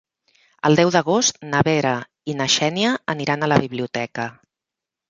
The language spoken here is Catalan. El deu d'agost na Vera i na Xènia aniran a la biblioteca.